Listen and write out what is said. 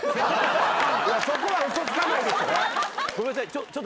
そこは嘘つかないでしょ。